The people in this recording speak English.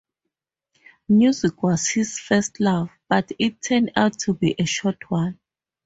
Music was his first love, but it turned out to be a short one.